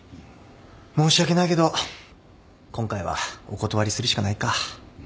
申し訳ないけど今回はお断りするしかないか。